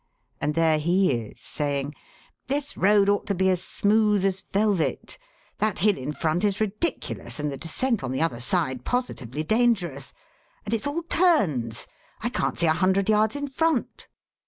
And there he is, saying: 'This road ought to be as smooth as velvet. That hill in front is ridiculous, and the descent on the other side positively dangerous. And it's all turns I can't see a hundred yards in front.'